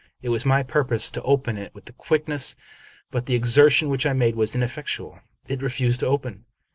It was my purpose to open it with quickness; but the exertion which I made was ineffectual. It refused to open.